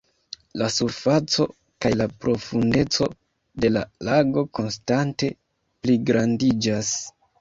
La surfaco kaj la profundeco de la lago konstante pligrandiĝas.